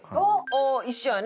一緒やね。